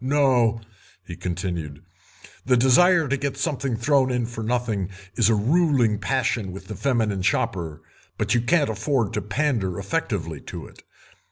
No," he continued, "the desire to get something thrown in for nothing is a ruling passion with the feminine shopper, but you can't afford to pander effectively to it.